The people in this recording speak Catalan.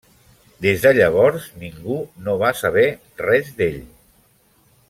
Des de llavors ningú no va saber res d'ell.